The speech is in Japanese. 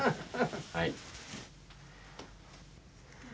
はい。